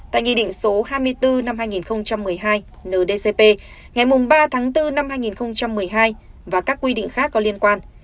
tại nghị định số hai mươi bốn năm hai nghìn một mươi hai ndcp ngày ba tháng bốn năm hai nghìn một mươi hai và các quy định khác có liên quan